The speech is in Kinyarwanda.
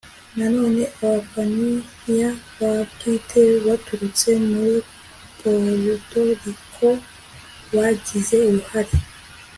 nanone abapayiniya ba bwite baturutse muri poruto riko bagize uruhare